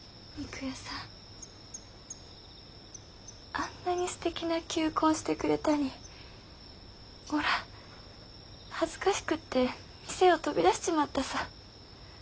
あんなにすてきな求婚してくれたにおら恥ずかしくって店を飛び出しちまったさ。